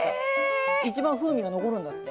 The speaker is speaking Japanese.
一番風味が残るんだって。